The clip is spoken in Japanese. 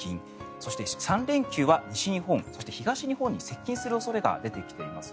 そして３連休は西日本、そして東日本に接近する恐れが出てきています。